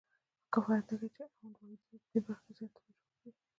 خو کفایت نه کوي او اړوند واحدونه پدې برخه کې زیاته توجه وکړي.